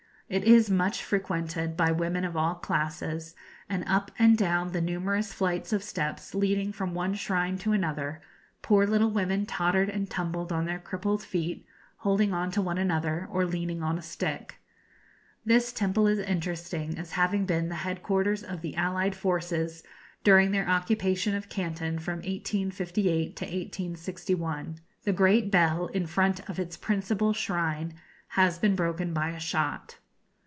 It is much frequented by women of all classes, and up and down the numerous flights of steps leading from one shrine to another, poor little women tottered and tumbled on their crippled feet, holding on to one another, or leaning on a stick. This temple is interesting as having been the head quarters of the allied forces during their occupation of Canton from 1858 to 1861. The great bell in front of its principal shrine has been broken by a shot.